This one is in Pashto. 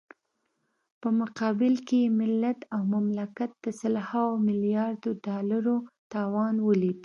په مقابل کې يې ملت او مملکت د سلهاوو ملیاردو ډالرو تاوان وليد.